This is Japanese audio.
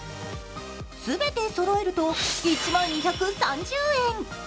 全てそろえると１万２３０円。